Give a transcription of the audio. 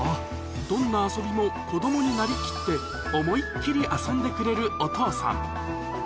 どんな遊びも、子どもになりきって、思いっ切り遊んでくれるお父さん。